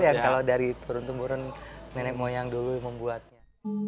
yang kalau dari turun tumburun nenek moyang dulu membuatnya